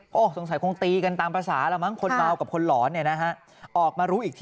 โหสงสัยคงตีกันตามประสาข์